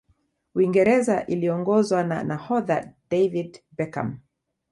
uingereza iliongozwa na nahodha david beckham